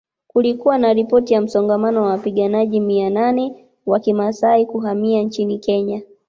Kulikuwa na ripoti ya msongamano wa wapiganaji mia nane wa Kimasai kuhamia nchini Kenya